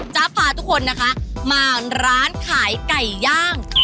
พาทุกคนนะคะมาร้านขายไก่ย่าง